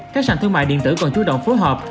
các sản thương mại điện tử còn chú động phối hợp